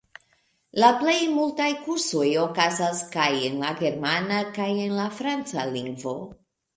La plej multaj kursoj okazas kaj en la germana kaj en la franca lingvo.